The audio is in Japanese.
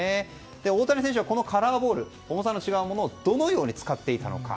大谷選手は、このカラーボール重さの違うものをどのように使っていたのか。